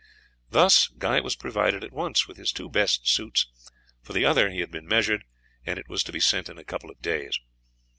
Thus he was provided at once with his two best suits; for the other he had been measured, and it was to be sent in a couple of days.